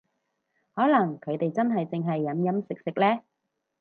可能佢哋真係淨係飲飲食食呢